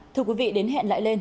thưa quý vị đến hẹn lại lên